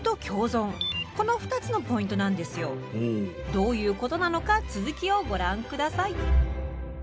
どういうことなのか続きをご覧下さい。